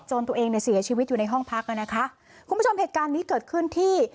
ตัวเองเนี่ยเสียชีวิตอยู่ในห้องพักอ่ะนะคะคุณผู้ชมเหตุการณ์นี้เกิดขึ้นที่